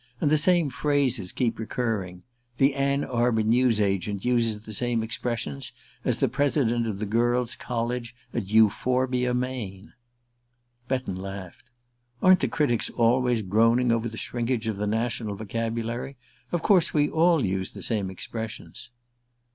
And the same phrases keep recurring the Ann Arbor news agent uses the same expressions as the President of the Girls' College at Euphorbia, Maine." Betton laughed. "Aren't the critics always groaning over the shrinkage of the national vocabulary? Of course we all use the same expressions."